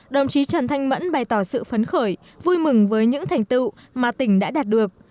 đồng chí trần thanh mẫn bày tỏ sự phấn khởi vui mừng với những thành tựu mà tỉnh đã đạt được